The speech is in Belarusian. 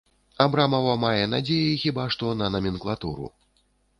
Абрамава мае надзеі хіба што на наменклатуру.